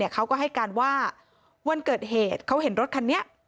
เขาก็ให้การว่าวันเกิดเหตุเขาเห็นรถคันนี้